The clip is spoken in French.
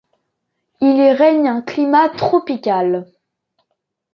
Il y règne un climat tropical.